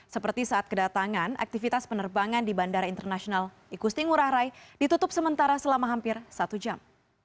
seperti saat kedatangan aktivitas penerbangan di bandara internasional igusti ngurah rai ditutup sementara selama hampir satu jam